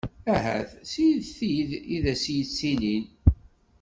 Ahat si tid i d as-yettilin?